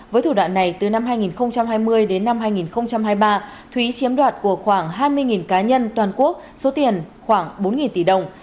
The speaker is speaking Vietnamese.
với thủ đoạn này từ năm hai nghìn hai mươi đến năm hai nghìn hai mươi ba thúy chiếm đoạt của khoảng hai mươi cá nhân toàn quốc số tiền khoảng bốn tỷ đồng